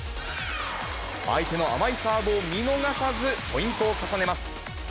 相手の甘いサーブを見逃さず、ポイントを重ねます。